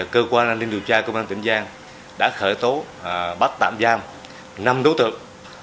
cơ quan an ninh điều tra công an tỉnh giang đã khởi tố bắt tạm giam năm đối tượng